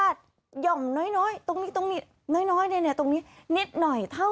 ค่ะคือเมื่อวานี้ค่ะ